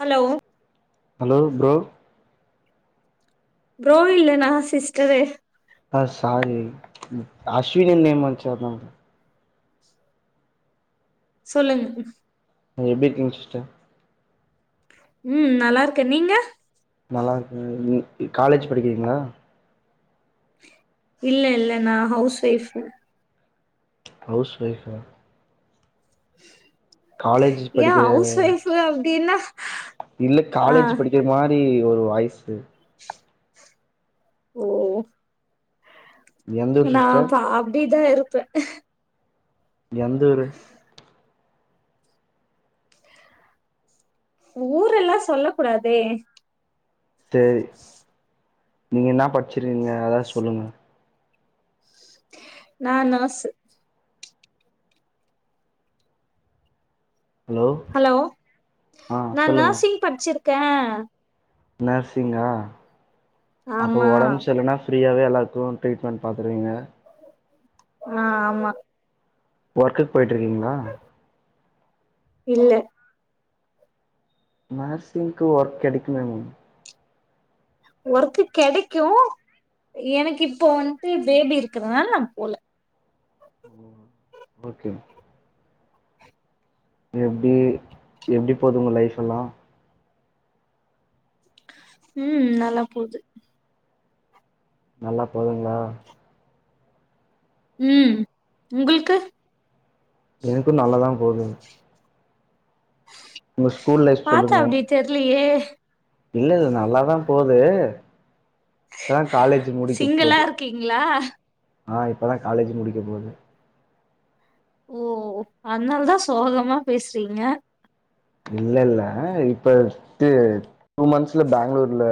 Hello hello bro bro இல்ல நா sister ஆ சாரி ம் அஸ்வினி நேம் வந்துச்சி அதா சொல்லுங்க எப்டி இருக்கீங்க சிஸ்டர் ம் நல்லா இருக்கே நீங்க நல்லா இருக்கே நீங்க காலேஜ் படிக்கிறீங்களா இல்ல இல்ல நா ஹவுஸ் வைய்ஃபு ஹவுஸ் வைய்ஃபா காலேஜ் ஏ படிக்கிற அவுஸ் வைய்ஃபு அப்டின்னா இல்ல ஆ காலேஜ் படிக்கிற மாரீ ஒரு வாய்ஸு ஓ எந்த ஊர் நா சிஸ்டர் பா அப்டிதா இருப்பே எந்தூரு ஊரெல்லா சொல்லக்குடாதே சேரி நீங்க என்னா படிச்சிருக்கிங்க அதாது சொல்லுங்க நா நர்ஸு ஹலோ ஆ நா சொல்லுங்க நர்சிங் படிச்சிருக்கே நர்சிங்கா அப்போ ஆமா ஒடம்பு சரில்லனா ப்ரீயாவே எல்லாருக்கு ட்ரீட்மெண்ட் பாத்துருவீங்க ஆ ஆமா ஒர்க்குக் பொயிட்ருக்கிங்ளா இல்ல நர்ஸிங்க்கு ஒர்க் கெடைக்கனுமே ஒர்க்கு கெடைக்கூ எனக்கு இப்போ வந்ட்டு பேபி இருக்குறனால நா போல ஓகே எப்டீ எப்டி போது உங்க லைஃப்பெல்லா உம் நல்லா போது நல்லா போதுங்ளா உம் உங்கள்க்கு எனக்கு நல்லாதா போதுங் உங்க ஸ்கூல் லைஃப் பாத்தா அப்டி தெர்லையே இல்லல்ல நல்லாதா போதூ இப்பதா காலேஜி முடிக்க சிங்கிளா போது இருக்கீங்களா? ஆ இப்பொதா காலேஜி முடிக்க போது ஓ அதுனாலதா சோகமா பேசுறீங்க இல்லெல்ல இப்ப ட்டு டூ மந்த்ஸ்ல பெங்களூர்ல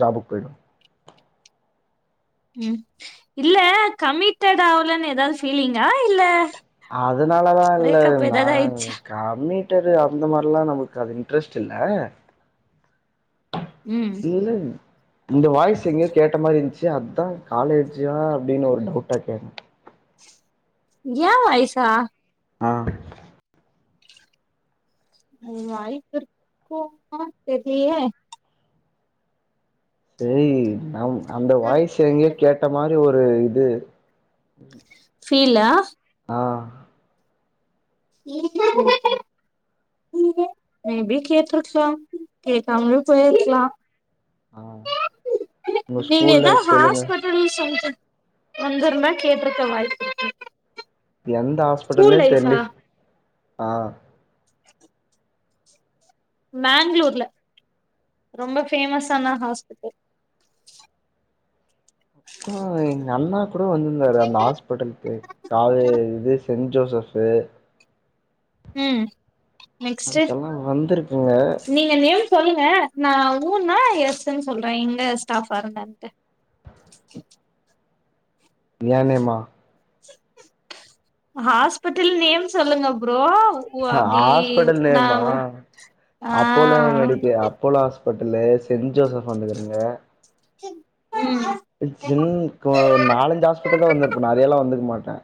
ஜாபுக் பொயிடுவ ம் இல்லே கமிட்டெட் ஆவலன்னு ஏதாவது ஃபீலிங்கா இல்ல அதுனாலலா இல்ல பிரேக்கப் ஏதாவது நாங் ஆயிடுச்சா? கமிட்டடு அந்த மாரிலா நமக்கு அது இன்ட்ரெஸ்ட் இல்ல உம் இல்லங் இந்த வாய்ஸ எங்கயோ கேட்ட மாரி இருந்ச்சு அதா காலேஜா அப்டின்னு ஒரு டவுட்டா கேட்டே ஏ வாய்ஸா ஆ வாய்ப்பிருக் கோமா தெர்லையே செரீ நம் அந்த வாய்ஸ எங்கயோ கேட்ட மாரி ஒரு இது ஃபீல்லா ஆ [unintelligible] மேபி கேட்ருக்லாம் கேக்காம்லயு போயிர்க்லா ஆ உங்க நீங்க ஸ்கூல் எதா லைஃப் சொல்லுங்க ஹாஸ்பட் [unintelligible] வந்துர்ந்தா கேட்டிருக்க வாய்ப்பு இருக்கு எந்த ஸ்கூல் ஹாஸ்பிட்டல்னே லைஃபா? தெரிலே சிஸ் ஆ மேங்ளூர்ல ரொம்ப ஃபேமஸான ஹாஸ்பிட்டல் [unintelligible] எங்க அண்ணா கூட வந்திருந்தாரு அந்த ஹாஸ்ப் பெட்டலுக்கு காது இது சென்ட் ஜோசஃபு ம் நெக்ஸ்டு அதுக்கெல்லா வந்திருக்குங்க நீ நீங்க நேம் சொல்லுங்க நா ஊன்னா எஸ்னு சொல்ற எங்க ஸ்டாஃபா இருந்தான்ட்டு யெ நேமா ஹாஸ்பிட்டல் நேம் சொல்லுங்க ப்ரோ ஓ ஹ அப்டி ஹாஸ்பிட்டல் நா நேமா ஆ Apollo medical Apollo hospital saint Joseph வந்துக்கிறிங்க ம் சின் கோ நாலஞ்சு ஹாஸ்பிட்டல் தா வந்திருப்பபே நெறையல்லா வந்திருக்க மாட்ட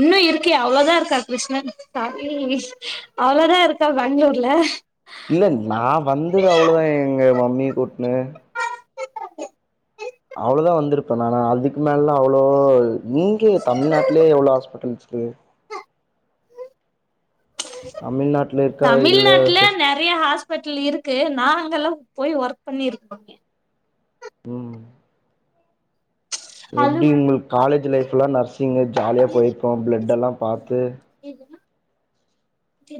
இன்னு இருக்கியா அவ்ளோதா இருக்கார் கிருஷ்ணன் [inaudible] அவ்ளோதா இருக்கா பெங்ளூர்ல இல்ல நா வந்தது அவ்ளோதா எங்க மம்மிய கூட்ன்னு அவ்ளோதா வந்திருப்ப நாளா அதுக்கு மேல அவ்ளோ இங்கே தமிழ்நாட்டலே எவ்ளோ ஹாஸ்பிட்டல்ஸ் இருக்கு தமிழ்நாட்டுல இருக்கா இல்ல தமிழ்நாட்டுல ஃபெஸ் நெறைய ஹாஸ்பிட்டல் இருக்கு நா அங்கெல்லா போய் ஒர்க் பண்ணி இருக்கோ ம் ஹலோ எப்டி உங்ளுக் காலேஜ் லைஃப்லா நர்சிங்க்து ஜாலியா போயிருக்கோ ப்ளட்டெல்லா பாத்து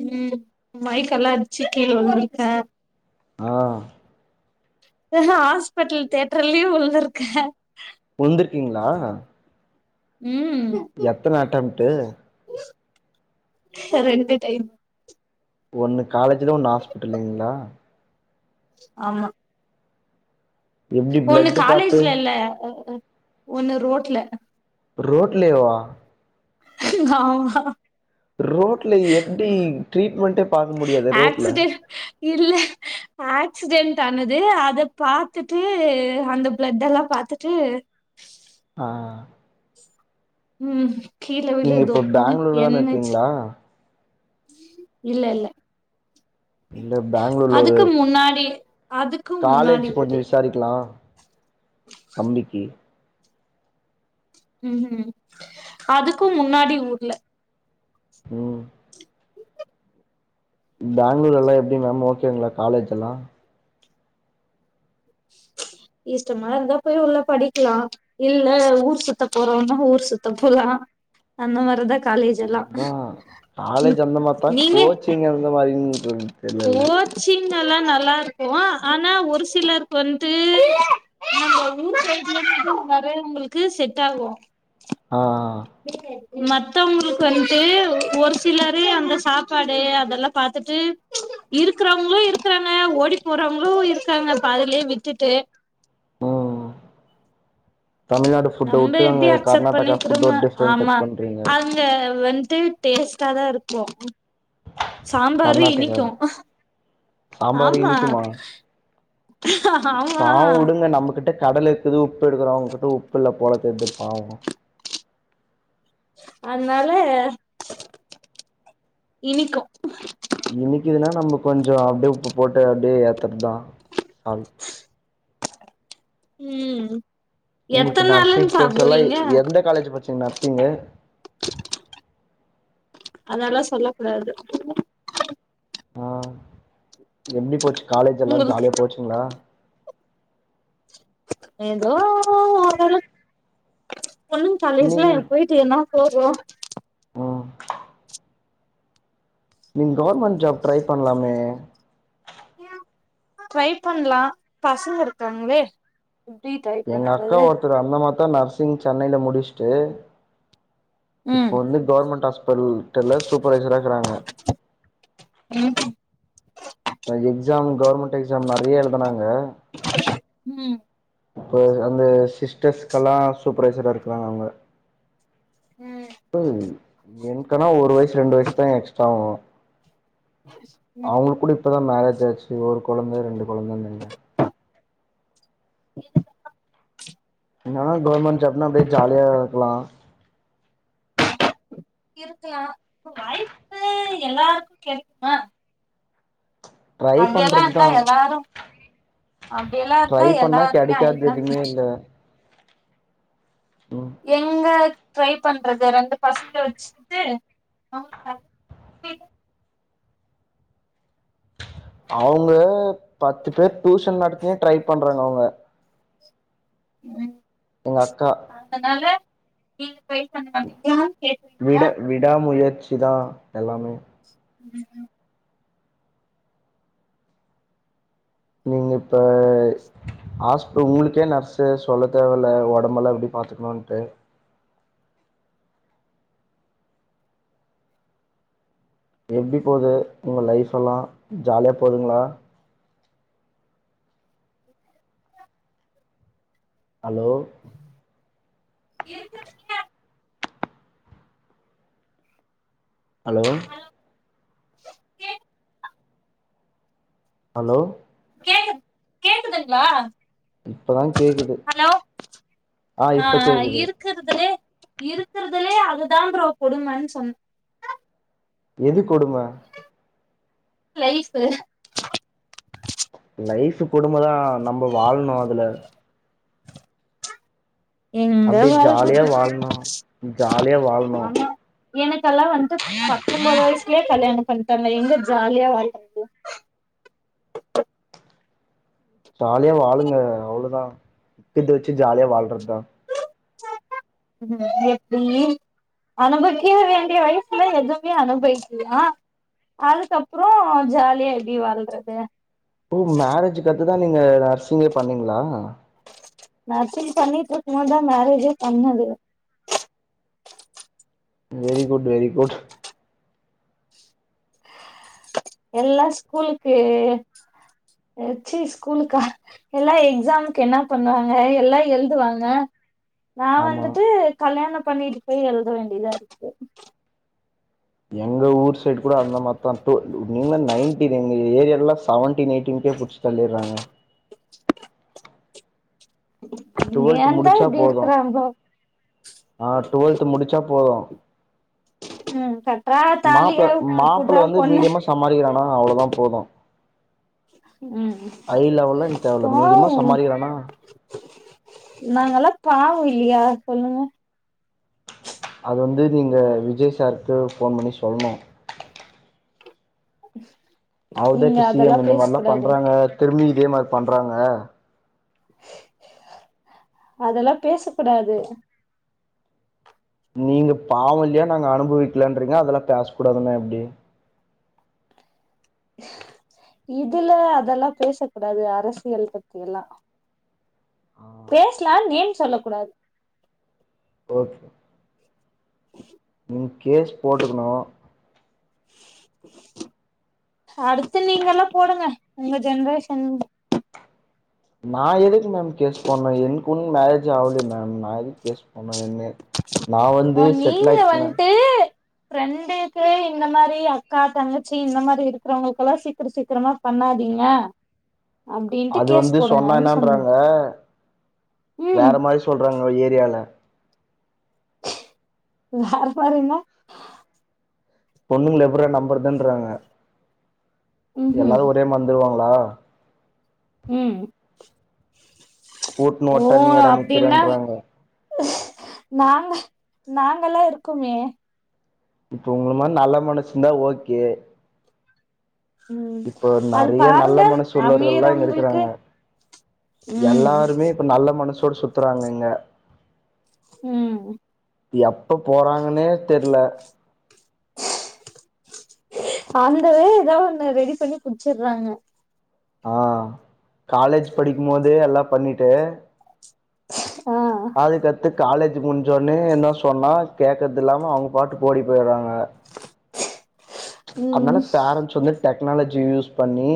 ம் மைக்கெல்லா அச்சு கீழ உழுந்துருக்க ஆ ஹாஸ்பிட்டல் தியேட்டர்லயு உழுருந்திருக்க உழ்ந்திருக்கீங்ளா ம் எத்தன அட்டம்டு ரெண்டு டைம் ஒன்னு காலேஜ்ல ஒன்னு ஹாஸ்பிட்டல் லைங்ளா ஆமா எப்டி ஒண்ணு பிளட்டு பாத்து காலேஜ்ல இல்ல அ அ ஒண்ணு ரோட்ல ரோட்லேவா ஆமா ரோட்ல எப்டி ட்ரீட்மெண்டே பாக்க முடியாதே ரோட்ல ஆக்சிடென்ட் இல்ல ஆக்சிடென்ட் ஆனது அத பாத்துட்டு அந்த பிளட் எல்லா பாத்துட்டு ஆ ம் கீழ விழு நீங்க இப்ப தொப்புன்னு பேங்களூர்ல என் தான எச் இருக்கீங்களா இல்ல இல்ல இல்ல பேங்களூர்ல ஒரு அதுக்கு முன்னாடி அதுக்கும் முன்னாடி ஊரு விசாரிக்லா தம்பிக்கி ம் ம் அதுக்கு முன்னாடி ஊர்ல ம் பேங்ளூர்லலா எப்டி மேம் ஓகேங்ளா காலேஜ் எல்லா இஷ்டமா இருந்தா போய் உள்ள படிக்லா இல்ல ஊர் சுத்த போறம்ன்னா ஊர் சுத்த போலா அந்த மாரிதா காலேஜ் எல்லா அதா காலேஜ் அந்த மார்தா நீங்க கோச்சிங் எந்த மாரின்ற தெர்லல ச்சிங் எல்லா நல்லா இருக்கு ஆனா ஒரு சிலர் வந்து நம்ப ஊர் சைடுல இருந்து வரவங்களுக்கு செட் ஆகு ஆ [unintelligible] மத்தவங்களுக்கு வந்ட்டு ஒரு சிலரு அந்த சாப்பாடு அதெல்லா பாத்துட்டு இருக்றவங்ளு இருக்றாங்க ஓடி போறவங்களு இருக்காங்க பாதிலே விட்டுட்டு ம் தமிழ்நாடு ஃபுட்ட நம்ம விட்டு எப்டி அங்க அக்செப்ட் கர்நாடகா ஃபுட் ஒரு டிஃப்ரென்ட் இருக்குன்றீங்க [unintelligible] வந்டு டேஸ்டா தா இருக்கு சாம்பாரு இனிக்கு சாம்பாரு ஆமா இனிக்குமா ஆமா பாவொ வுடுங்க நம்மகிட்ட கடல் இருக்குது உப்பு எடுக்குறொ அவ்ங்கிட்ட உப்பு இல்ல போல தெர்து பாவொ அதுனால இனிக்கு இனிக்குதுன்னா நம்ப கொஞ்சொ அப்ட்யே உப்பு போட்டு அப்டியே ஏத்தற் தா ம் உங்களுக்கு எத்தன் நாளுன் நர்சிங் கோர்ஸ் எல்லா சாப்டுவீங்க எந்த காலேஜ் படிச்சீங்க நர்சிங்கு அதல்லா சொல்ல கூடாது ஆ எப்டி போச்சு காலேஜ் எல்லா உங்களுக்கு ஜாலியா போச்சுங்களா ஏதோ ஒரு அளவுக்கு பொண்ணுங்க காலேஜ்ல நீங் என்ன போயி ட்டு என்ன புரோஜனொ ம் நீங்க கவர்மெண்ட் ஜாப் ட்ரை பண்லாமே ட்ரை பண்லா பசங்க இருக்காங்களே எப்டி ட்ரை எங்க அக்கா பண்றது ஒருத்தரு அந்தமார்தா நர்சிங் சென்னைல முடுச்ட்டு ம் இப்பொ வந்து கவர்மெண்ட் ஹாஸ்டல்பிடல்ல சூப்பர்வைசரா இர்க்கறாங்க ம் அன எக்ஜாம் கவர்மெண்ட் எக்ஜாம் நெறையா எழுதுனாங்க ம் இப்ப அந்த சிஸ்டர்ஸ்கல்லா சூப்பர்வைசரா இருக்குறாங்க அவுங்க ம் இப்பை என்கனா ஒரு வயசு ரெண்டு வயசு தா எக்ஸ்ட்ராவு [inaudible] அவுங்களுக் கூட இப்போ தா மேரேஜ் ஆச்சு ஒரு கொழந்த ரெண்டு கொழந்தெங்கங்க [unintelligible] என்னன்னா கவர்மெண்ட் ஜாப்னா அப்ட்யே ஜாலியா இருக்லா இருக்கலா வாய்ப்பு எல்லாருக்கு கெடைக்குமா ட்ரை அப்டியெல்லா பண்றதுதா இருந்தா எல்லாரு அப்டியெல்லா ட்ரை இருந்தா பண்ணா எல்லாருமே கெடைக்காது ஆயிட்லாம் எதுவுமே இல்ல ம் எங்க ட்ரை பண்றது ரெண்டு பசங்கல வெச்சுகிட்டு [inaudible] அவுங்க பத்து பேர் டூஷன் நடத்தியே ட்ரை பண்றாங்க அவுங்க [inaudible] எங்க அக்கா அதனால நீங்க ட்ரை பண்ண மாட்டீங்ளா விட விடா முயற்சி தா எல்லாமே [unintelligible] நீங்க இப்ப ஹாஸ்ப உங்களுக்கே நர்ஸு சொல்ல தேவ இல்ல ஒடம்பல்லா எப்டி பாத்துக்கணுன்ட்டு எப்டி போது உங்க லைஃப்பெல்லா ஜாலியா போகுதுங்ளா [inaudible] அலோ ஏக்கு அலோ ஹலோ கேக் ஹலோ கேக் கேக்குதுங்ளா இப்பதா கேக்குது ஆ இப்ப கேக்குது க்கறதுலே இருக்கறதுலே அதுதா ப்ரோ கொடுமன் சொன் எது கொடும லைஃப்பு லைஃப் கொடும தா நம்ப வாழணு அதுல எங்க அப்டியே ஜாலியா வாழ்றது வாழ்ணு ஜாலியா ப்ரோ வாழ்ணு ஆமா எனக்கெல்லா வந்ட்டு பத்தொம்போது வயசுலேயே கல்யாணம் பண்ட்டாங்க எங்க ஜாலியா வாழ்றது ஜாலியா வாழுங்க அவ்ளோதா இருக்கத வச்சு ஜாலியா வாழ்றது தா ம் ஹும் எப்டி அனுபக்க வேண்டிய வயசுல எதுவுமே அனுபவிக்ல அதுக்கு அப்புறோ ஜாலியா எப்டி வாழ்றது ஓ மேரேஜ்க்கு அடுத்துதா நீங்க நர்சிங்கே பண்ணிங்ளா நர்சிங் பண்ணிட்ருக்கும் போதுதா மேரேஜே பண்ணது வெரி குட் வெரி குட் எல்லா ஸ்கூலுக்கு ச்சி ஸ்கூலுக்கா எல்லா எக்ஸாம்க்கு என்னா பண்ணுவாங்க எல்லா எழுதுவாங்க நா ஆமா வந்துட்டு கல்யாணம் பண்ணிட்டு போய் எழுத வேண்டியதாருக்கு எங்க ஊர் சைடு கூட அந்த மார்தா டூ நீங்க நைன்டின் எங்க ஏரியாலா செவன்டின் எய்டின்கே புட்ச்சு தள்ளிர்றாங்க இருக்கு டுவல்த் ஏந்தா முடிச்சா இப்டி போது இருக்கறாங்களோ ஆ டுவெல்த் முடிச்சா போது ம் கட்றா தாலிய மாப்ள உப்புட்றா மாப்ள வந்து பொண்ணு மீடியமா சம்பாரிக்கிறானா அவ்ளதா போது ம் ஐ லெவல்லா தேவல்ல மீடியமா சம்பாரிக்கிறானா நாங்கலா பாவொ இல்லையா சொல்லுங்க அது வந்து நீங்க விஜய் சாருக்கு ஃபோன் பண்ணி சொல்ணு அவருதா இங்க இப்ப சி அதெல்லா எம் இந்த பேசக் மார்லாம் கூடாது பண்றாங்க திரும்பி இதே மாரி பண்றாங்க அதெல்லாம் பேச கூடாது நீங்க பாவொ இல்லையா நாங்க அனுபவிக்கலன்றீங்க அதெல்லா பேச கூடாதுண்ணா எப்டி இதுல அதெல்லாம் பேச கூடாது அரசியல் பத்தி எல்லா ஆ பேஸ்லாம் நேம் சொல்ல கூடாது ஓகே நீங்க கேஸ் போட்டுக்ணு அடுத்து நீங்க எல்லா போடுங்க உங்க ஜென்ரேஷன் நா எதுக்கு மேம் கேஸ் போட்னும் எனக்கு ஒன்னும் மேரேஜ் ஆவலயே மேம் நா எதுக்கு கேஸ் ஆன என்னே ஆ நீங்க வண்ட்டு ஃப்ரெண்டுக்கு இந்த மாரி அக்கா தங்கச்சி இந்த மாதிரி இருக்கிறவங்களுக்குல்லாம் சீக்கர சீக்கரமா பண்ணாதீங்க அப்டின்ட்டு அது கேஸ் வந்து சொன்னா போடுங்கன்னு சொன்ன என்னான்றாங்க ம் வேற மாரி சொல்றாங்க ஏரியால வேற மாறினா பொண்ணுங்கள எப்புட்றா நம்பரதுன்றாங்க ம்ஹும் எல்லாரு ஒரே மாந்துருவாங்களா ம் கூட்னு ஓ ஒட்டனியாடா அப்டின்னா நிக்கிறேன்றாங்க நாங்க நாங்கல்லா இருக்கோமே இப்ப உங்க மாரி நல்ல மனசுந்தா ஓகே ம் இப்போ அது நறையா நல்ல பாருங்க மனசு உள்ளவர்கள்ளா இங்க அமீரவங்களுக்கு இருக்குறாங்க ம் எல்லாருமே இப்ப நல்ல மனசோட சுத்துறாங்கங்க ம் இங்க எப்ப போறாங்கனே தெர்ல ஆந்தவே எதா ஒண்ண ரெடி பண்ணி புட்ச்சுற்றாங்க ஆ காலேஜ் படிக்கும் போதே எல்லா பண்ணிட்டு ஆ அதுக்கத்து காலேஜ் முன்ஞ்சொன்னே என்ன சொன்னா கேக்கத்தில்லாம அவங்க பாட்டுக் ஓடி போயிற்றாங்க ம் அதுனால பேரன்ஸ் வந்து டெக்னாலஜி யூஸ் பண்ணி